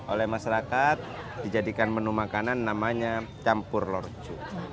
oleh masyarakat dijadikan menu makanan namanya campur lorju